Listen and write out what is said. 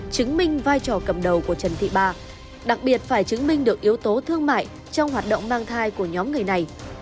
cho cầm đầu của trần thị ba đặc biệt phải chứng minh được yếu tố thương mại trong hoạt động mang thai của nhóm người này